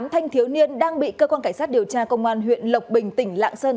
tám thanh thiếu niên đang bị cơ quan cảnh sát điều tra công an huyện lộc bình tỉnh lạng sơn